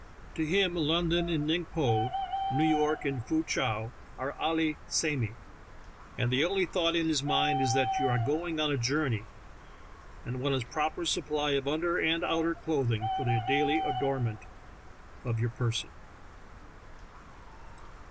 To him London and Ning Po, New York and Foo Chow, are "allee samee," and the only thought in his mind is that you are going on a journey, and want a proper supply of under and outer clothing for the daily adornment of your person.